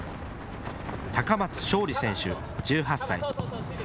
高松将吏選手、１８歳。